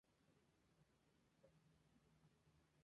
Las islas tienen por nombre isla Marion y la isla Príncipe Eduardo.